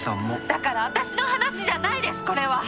だから私の話じゃないですこれは。